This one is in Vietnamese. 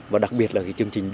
và đặc biệt là chương trình